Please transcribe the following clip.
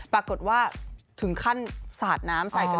ปรากฏว่าถึงขั้นสาดน้ำใส่กัน